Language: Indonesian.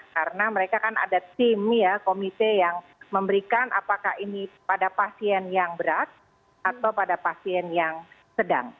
karena mereka kan ada tim ya komite yang memberikan apakah ini pada pasien yang berat atau pada pasien yang sedang